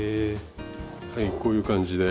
はいこういう感じで。